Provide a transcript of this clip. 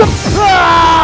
aku akan menerima tawaran